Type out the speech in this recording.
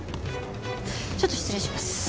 ちょっと失礼します。